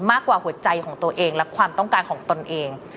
หัวใจของตัวเองและความต้องการของตนเอง